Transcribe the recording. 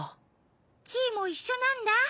キイもいっしょなんだ。